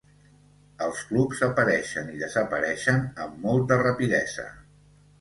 Els clubs apareixen i desapareixen amb molta rapidesa.